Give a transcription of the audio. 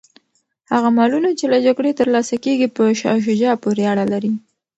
هغه مالونه چي له جګړې ترلاسه کیږي په شاه شجاع پوري اړه لري.